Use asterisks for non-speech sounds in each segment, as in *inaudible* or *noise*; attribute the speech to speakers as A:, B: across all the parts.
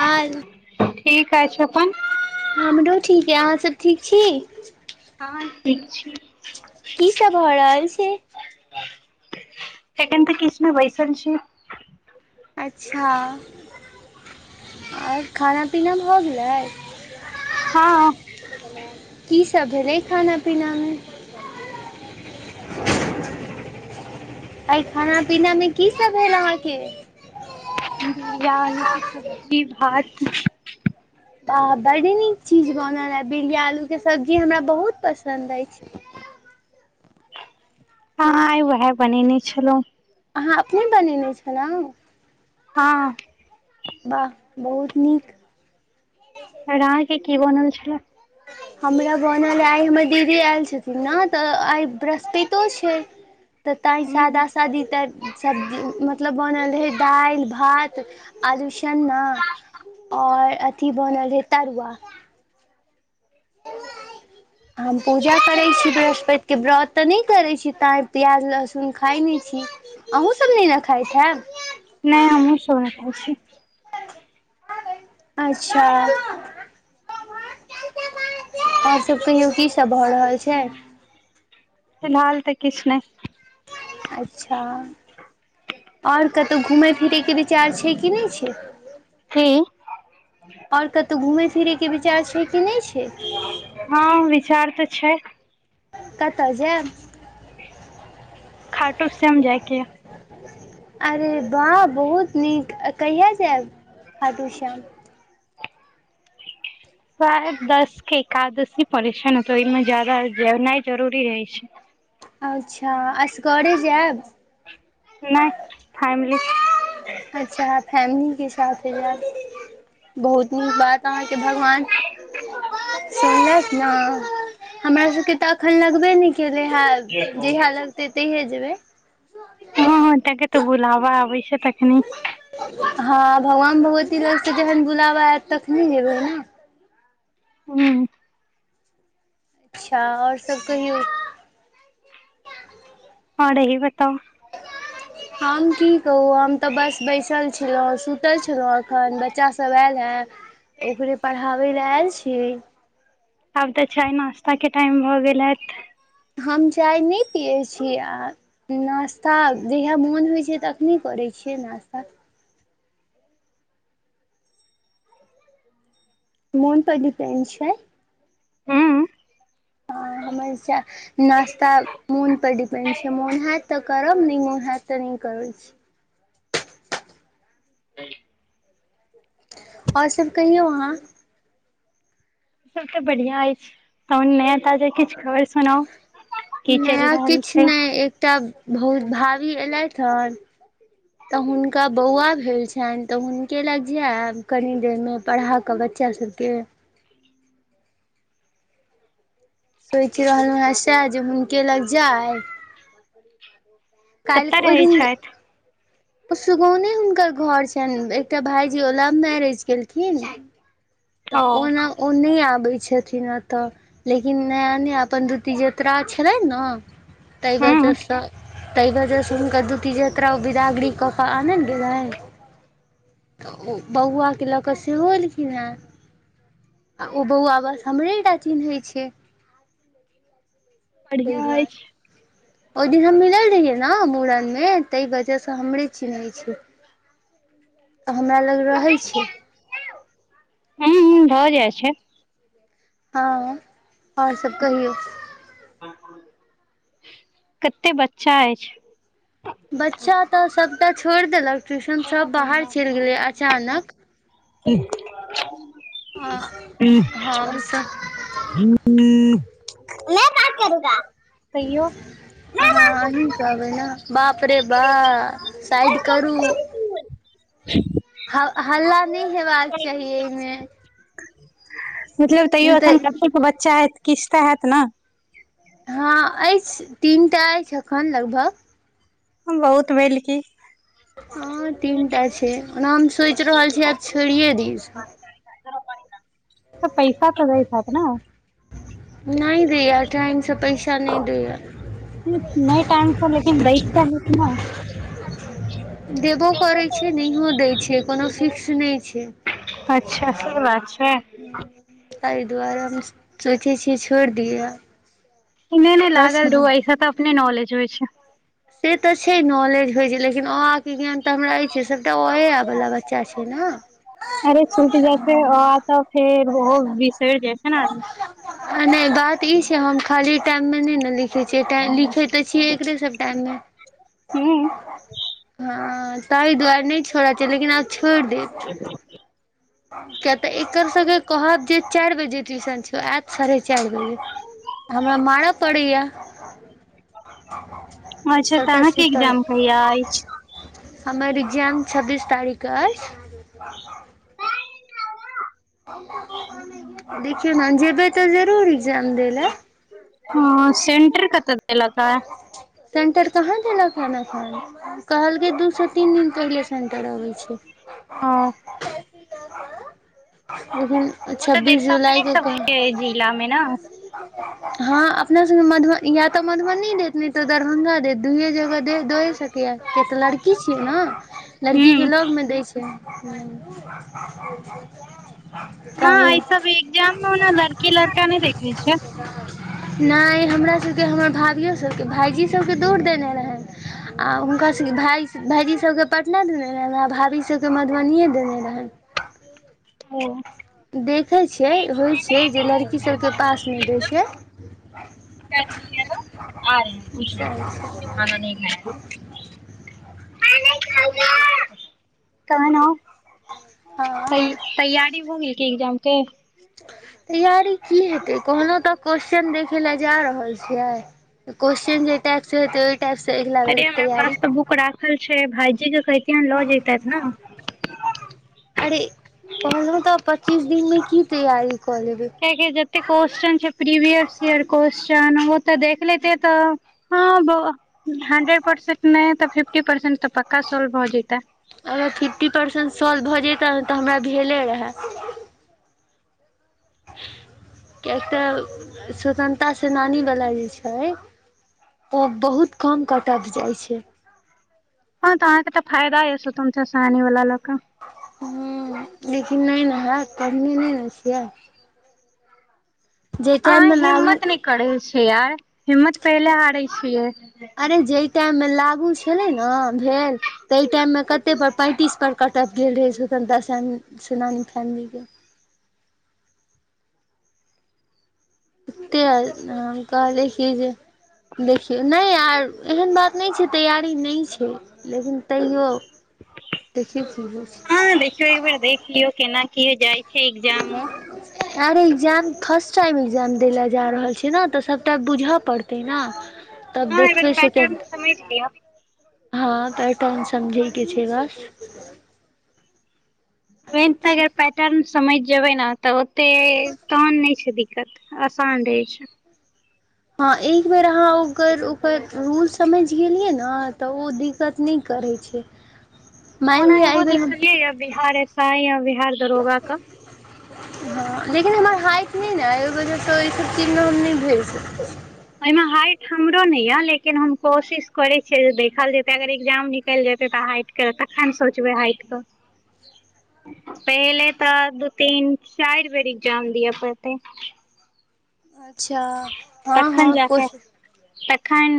A: हाल,
B: ठीक अछि अपन
A: हमरो ठीक य, अहा सब ठीक छीं?
B: हा ठीक छी।
A: की सब भ रहल छै?
B: एखन त किछ नै बैसल छी।
A: अच्छा अओर खाना पीना भ गेलय?
B: हँ
A: की सब भेलय खाना पीनामे? अय खाना पीनामे की सब भेल अहाके?
B: बिरिया आलु के सब्जी, भात
A: त आ बड़ नीक चीज बनल ऐ। बिड़ियाआलूके सब्जी हमरा बहुत पसन्द अईछ।
B: हँ अ आय वेहे बनेने छलौं।
A: अहाँ अपने बनेने छ्लौं?
B: ह ह
A: बाह बहुत नीक।
B: अओर अहाके की बनल छेला?
A: हमरा बनल अई, आय हमर दीदी आयल छथिन न, त आय बृहस्पैतो छै। त तईं
B: हूँ
A: सादा सादी त सब्जी, मतलब बनल रहै दाइल भात आलुशन्ना, आओर अथि बनल रहै, तरुआ। हम पूजा करै छी बृहस्पैत के, व्रत त नै करै छी, ताईं पियाज लहसुन खाय नै छी। अहुंसब नहि न खाइत हैब।
B: नहि हमहूंसब नहि खाय छियै।
A: अच्छा आओर सब कहियौ की सब भ रहल छै।
B: फिलहाल त किछ नहि।
A: अच्छा अओर कतहु घुमय फिरयके विचार छै, कि नहि छै।
B: की
A: आओर कतहु घुमय फिरय के विचार छै कि नहि छै।
B: ह विचार त छै।
A: कतऽ जैब
B: खाटू श्याम जायके यऽ।
A: अरे वाह बहुत नीक कहिया जैब खाटू श्याम।
B: *inaudible* शायद दस क एकादशी पड़ै छै न, हं ओहिम ज्यादा जनाय जरूरी रहय छै।
A: अच्छा असगरे जायब।
B: नहि फैमिली।
A: अच्छा फैमिलीे के साथे जायब। बहुत नीक बात अहाके भगवान सुनकल न हमरा सबके त अखन लगबे नहि केले हेत। जैहा लगतै तैहे जेबै।
B: हँ हँ तके तऽ बोलाबा अबै छय तखने।
A: हँ भगवान, भगवती लोग से जहन बुलाबा ऐत तखने जेबैै न।
B: हूँ।
A: अच्छा आओर सब कहियौ।
B: आओर अहीं बताउ।
A: हम की कहू हम तऽ बस बैसल छलहुँ, सुतल छलहुँ। ् अखन बच्चासब आयल हँ ओकरे पढ़ाबै लए आयल छीयै।
B: आब तऽ चाय नाश्ता के टाइम भऽ गेल हेत।
A: हम चाय नहि पियै छी, आ नाश्ता जहिया मोन होइत छै तऽ। तखने करै छियै नाश्ता। मोन पर डिपेन्ड छै।
B: हम्मम
A: हँ हमर नाश्ता मोन पर डिपेंड छै, मोन हैत तऽ करब नहि मोन हेत। तऽ नहि करै छी। आओर सब कहियौ अहाँ।
B: सब तऽ बढ़िया अछि, तहन नया ताजा किछ खबैर सुनाउ। की चलि
A: नया
B: रहल
A: किछ
B: छै
A: नहि एकटा भौ भावी एयलथि हन। तऽ हुनका बौआ भेल छनि, तऽ हुनके लग जायब कनि देर मे पढ़ाकऽ बच् च्चा सबके। सोचि रहलहुँ हैं सैह जे हुनके लग जाय।
B: कतऽ रहै छथि।
A: ओ सुगौने हुनकर घर छनि, एकटा भाईजी ओ लव मैरेज केलखिन। तऽ ओ ना ओ नहि आबै छथिन अतऽ। लेकिन नया-नया अपन दूती जतरा छलै न। तै
B: हूँ
A: बजह स, तै बजह स हुनकर दूती जात्रा ओ बिदागरी। कक्का आनेनेए गेलैथि। तऽ ओ बौआकेँ लऽक सेहो एलखिन हेँ। आ ओ बौआ बस हमरेटा चिनैहै छै। तै
B: बढ़िया
A: दुआरे।।
B: अछि
A: ओहि दिन हम मिलल रहियै नऽ मूड़नमे ताहि वजहसँ हमरे चिनैहै छै। तऽ हमरा लग रहै छै।
B: हूँ हूँ भऽ जाइ छै।
A: हँ आओर सब कहियौ।
B: कते बच्चा अछि।
A: बच्चा तऽ सभटा छोड़ देलक ट्यूशन सब बाहर चलि गेलै अचानक। आ हमसभ
B: *unintelligible* मै बात करूँगा कहियो।
A: अहाँ अहीं कहबै नऽ बाप रे बाप साइड करू। ह हल्ला नहि हेबाक चाहि अइमे।
B: मतलब तैयो अखन
A: तऽ
B: कतेक बच्चा हयत किछ तऽ हेत न।
A: हँ अछि तीनटा अछि अखन लगभग।
B: ह बहुत भेल की।
A: हँ तीन टा छै ओना हम सोचि रहल छी आब छोड़िए दी ईसब
B: तऽ पैसा तऽ दैत हेत नऽ।
A: नहि दैया टाइम सँ पैसा नहि दैया।
B: नहि टाइमसँ लेकिन दैत तऽ हेत न।
A: देबो करै छै नहियो दै छै कोनो फिक्स नहि छै।
B: अच्छा से बात छै।
A: हूँ ताहि दुआरे हम सोचै छिय छोड़ि दियै।
B: नेै नै
A: बस
B: लागल
A: भऽ
B: रहु ऐ सँ तऽ अपने नॉलेज होइ छै।
A: से तऽ छै नाॅलेज होइ छै लेकिन ओहाके ई ज्ञान तऽ हमरा ऐछे सभटा अ-आ वला बच्चा छै ने।
B: अरे छुइट जाइ छै अ-आ तऽ फेर ओहो बिसैर जाइ छै ने आदमी।
A: आ नहि बात ई छै हम खाली टाइममे नहि ने लिखै छियै लिखैत तऽ छियै एकरे सब टाइममे।
B: हू।
A: हँ तहि दुआरे नहि छोड़ चाही लेकिन आब छोइड़ देब।
B: ह
A: किया तऽ एकर सभके कहब जे चारि बजे ट्यूशन छौ। साढ़े चारि बजे हमरा मारऽ पड़ैया।
B: अच्छा तऽ
A: सभटा
B: अहाँके
A: सुतल
B: एग्जाम कहिया अछि?
A: हमर एग्जाम छब्बीस तारीख कऽ अछि। आ देखियौ ने जेबै तऽ जरूर ए्जाम दै लए।
B: ह सेंटर कतऽ देलक?
A: सेन्टर कहाँ देलक अखन कहलकै दू सँ तीन दिन पहिले सेन्टर अबै छै।
B: ओ।
A: त ह बुझल।
B: ओ तऽ देत अपने सबके जिला मे न- -
A: *inaudible* हँ अपना सब मधुब या तऽ मधुबनी देत नेै त दरभंगा देत दुूइये जगह द दये सक- - सक य किया तऽ लड़की छीयै न लड़की सब के
B: हूँ
A: लग मे दैय छै। *inaudible* हां *inaudible*
B: न ई सब एग्जाम मे ओना लड़की -लड़का नहि देखे छै।
A: नहि हमरा सभके हमर भाभियो सभके भाइजी सभकेँ दुर देने रहनि। आ हुनकासभके भायजी सभ केँ पटना देने रहनि, आ भाभी सभ केँ मधुबनिए देने रहनि।
B: ओ- -
A: देखै छैई होइ छै जे लड़की सभके पास में दै छै। सैह छै
B: *inaudible* कान्हा - - तै
A: हँ
B: तैयारी भ गेल कि एग्जाम के- -
A: तैयारी की हेतै कहलौं तऽ क्वेेश्चन देखे लए जा रहल छियै। त क्वश्चन जै टाइप से हेतै ओ टाइप से अगला बेर के तैआरी- -
B: ओकरा राखल छै भाईजी के कैहतियैन लऽ जैतैथ न- -
A: अरे कहलौं तऽ पच्चीस दिन मे की तैयारी कऽ लेबे- -
B: किया की जते क्वेश्चन छै प्रीवियस इयर क्वस्् ओ तऽ देख लैतेै तऽ- - हँ बुआ हंड्रेड परसेंट नहि तऽ फिफ्टी परसेंट तऽ पक्का सोल्व हो जतै- -
A: अगर फिफ्टी परसेंट सॉल्व भऽ जैतै तऽ हमरा भेले रहै। एकटा स्वतंत्रता सेनानी वला जे छैई। त बहुत कम कटआफ जाइ छैई।
B: हँ तऽ अहाँके तऽ फायदा ऐछ स्वतन्त्रता- सेनानी वाला लऽ कऽ- -
A: ह लेकिन नै हेत पढने नै न छियै। जाहि
B: अहा
A: टाइममे लागू
B: हिम्मत नहि करै छीयै यार हिम्मत करैला हारै छियै।
A: अरे जाहि टाइममे लागू छलै ने भेल। ताहि टाइममे कतेक पर पैंतीस पर कटआफ गेल रहै स्वतंत्रता-सेनानी फैमिली के- - तेही दुआरें हम कह ए की - - देखियौ नहि यार एहेन बात नहि छै तैयारी नहि छैई। लेकिन तैयो देखियो की होइ छैई।
B: हँ देखियौ एकबर देख लियौ केना की जाइ छै एग्जामो- -
A: आरे एकग्जाम फर्स्ट टाइम एकग्जाम दै ल जा रहल छियै न तऽ सभटा बुझै पड़तै न।
B: हँ एक बेार पैटर्न समझ लियअ।
A: हँ एहीफचम समझैके छै बस- -
B: पेंनटाग
A: अच्छा
B: पैक- - टेम समझ जेबे न तऽ ओते तहन नहि छै, दिक्कत आसान रहे छै।
A: हँ एक बेर अहाँ ओकर ओकर रूल समझ गेलियै न तऽ ओ दि- - ततनी करै छैई।
B: ओना एगो दिखलियै या बिहार ऐस अई य बिहार दरोगा क- -
A: हँ लेकिन हमर हाइट नहि न की, ओहि वजह स एहिसभ चीजमे हम नहि भेर सकवै।
B: अईमे हाइट हमरो नहि या लेकिन हम कोशिश करे छियै जे देखल जेते अगर एकग्जाम निकलि जेते तऽ हाइट- - तेकर तखन सोचबै हाटि कऽ- - पहिले तऽ दू तीन चारि बेर एग्जाम दिअ पड़तै।
A: अच *inaudible*
B: तखन जा कऽ तखन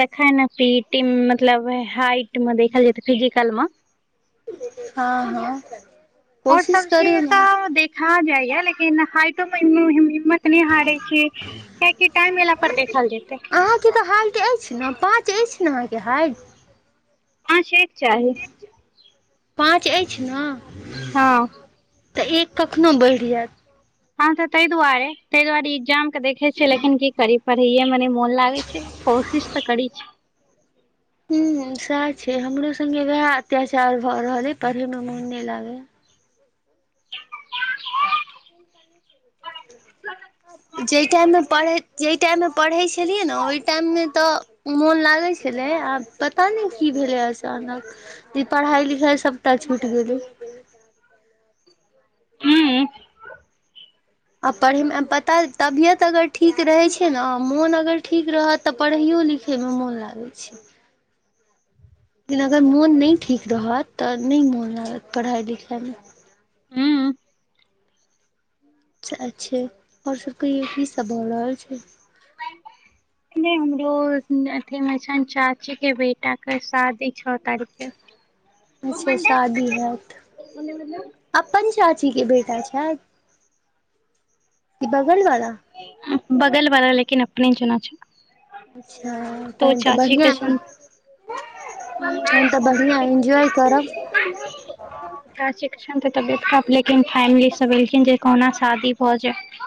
B: तखनट मतलब हाइट मे देखल जेत फिजिकल मे
A: हाँ हाँ
B: आओर सब चीज तऽ देखा जाइय लेकिन हाइटो मे इतने हारे छी कियाकि टाइम एला पर देखल जेतै
A: पाँच अछि नें पाँच अछि ने अहाँके हाइट
B: हाँ छै चाही
A: पाँच अछि ने
B: हँ
A: तऽ एक कखनो बढ़ि जायत
B: हँ हाँ तऽ ताहि दुआरे ताहि दुआरे एग्जाम के देखे छियै लेकिन की करी पढ़ेये मे न मोन लागे छै कोशिश तऽ कर छै
A: हूँ हूँ सएह छै हमरो संगे वएह अत्याचार भा रहल हे पढ़े में मोन नहि लागे या ा जाहि टाइममे पढ़ै जाहि टाइममे पढ़ै छलियै ने ओहि टाइममे तऽ मोन लागै छलै आब पता नहि की भेलै अचानक ई पढ़ाई लिखाई सभटा छूट गेलै
B: हू
A: आ पढ़ैमे पता तबियत अगर ठीक रहै छै ने मोन अगर ठीक रहत तऽ पढ़ैयो लिखैमे मोन लागै छै लेकिन अगर मोन नहि ठीक रहत तऽ नहि मोन लागत पढ़ाइ लिखाइमे
B: हूँ हूँ
A: अच्छे आओर सब कहिओ की सब भऽ रहल छै
B: *unintelligible* हमरो अथी मे छइन चाची के बेटााक के शादी छो तारीख के
A: अच्छा शादी हयात अपन चाची के बेटा छथि ई बगल वाला
B: बगल बला लेकिन अपने जना छैथ
A: अच्छा तहन तऽ बढ़िआ
B: के
A: ह
B: छनि
A: तहन तऽ बढ़िआ एन्जॉय करब
B: शिक्ष तबियत लेकिन फैमिली सब एलखिन जे कहुना *inaudible* *unintelligible* शादी भा जाइत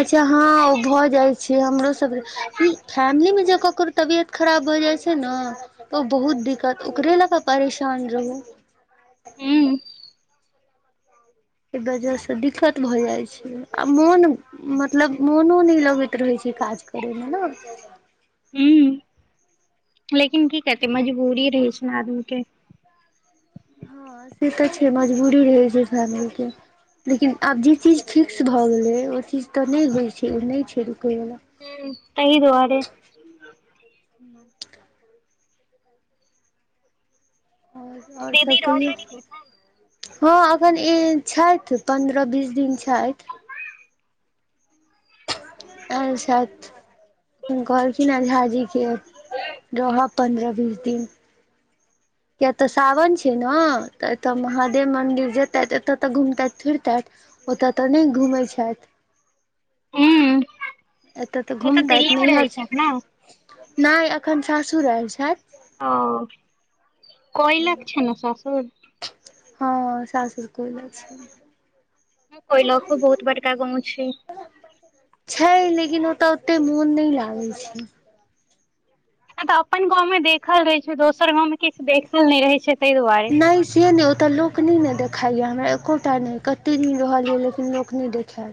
A: अच्छा हँ ओ भऽ जाइ छै हमरो सब ई फैमिली मे जे ककरो तबियत खराब भऽ जाइ छै ने तऽ बहुत दिक्कत ओकरे लऽ कऽ परेशान रहू
B: हूँ
A: एहि वजह से दिक्कत भए जाय छै आ मोन मतलब मोनो नहि लगैत रहै छै काज करैमे न
B: हूँ लेकिन की करते मजबूरी रहै छै ने आदमी के
A: हँ से तऽ छै मजबूरी रहै छै फैमिली के लेकिन आब जे चीज फिक्स भऽ गेलै ओ चीज तऽ नहि होइ छै ओ नहि छै रुकैवला
B: हूँ हूँ तहि दुआरे
A: आओर सभ
B: दीदी
A: कहियौ
B: रहतैथ की
A: हँ एखन ई छथि पन्द्रह बीस दिन छथि अच्छा कहलखिन झाजी के रहब पन्द्रह बीस दिन किये तऽ सावन छैय न, तऽ एतय महादेव मन्दिर जेतैत एतय तऽ घुमतैथ फिरतैथ। ओतऽ तऽ नैय घुमै छाइथ।
B: उम्म
A: एतय तऽ घूमतैत नैहर छैन नाइ अखन सासुर ऐल छैथ।
B: ओ कोइलख छैइन न सासुर।
A: हँ सासुर कोइल छैन
B: कोइलखो बहुत बड़का गाँव छैय।
A: छै लेकिन ओतऽ ओते मोन नै लागै छैय
B: हं तऽ अपन गाँव में देखल रहे छै, दोसर गाँव में किछ देखल नै रहे छैय तै दुआरे।
A: नय से नय ओतऽ लोक नैने देखाइए हमरा एकोटा नै, कते दिन रहलीयइ लेकिन लोक नै देखैल।